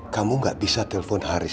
kamu gak bisa telepon haris